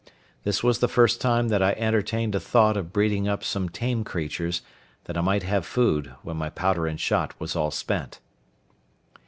This was the first time that I entertained a thought of breeding up some tame creatures, that I might have food when my powder and shot was all spent.